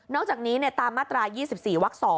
จากนี้ตามมาตรา๒๔วัก๒